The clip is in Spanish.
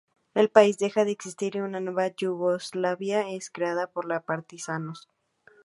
El país deja de existir, y una nueva Yugoslavia es creada por los partisanos.